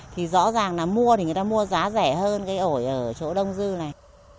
thì rõ ràng là mua thì người ta mua giá rẻ hơn cái ổi ở chỗ đông dư này